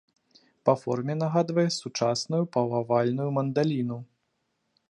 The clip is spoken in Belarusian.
Па форме нагадвае сучасную паўавальную мандаліну.